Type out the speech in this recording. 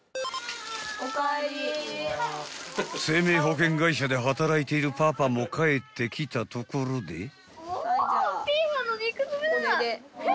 ［生命保険会社で働いているパパも帰ってきたところで］